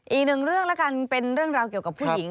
อีกหนึ่งเรื่องแล้วกันเป็นเรื่องราวเกี่ยวกับผู้หญิง